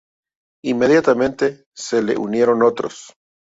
Inmediatamente se le unieron otros.